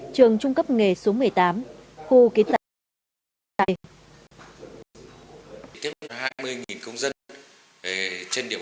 trường trung cấp nghề số một mươi tám khu kiến tạo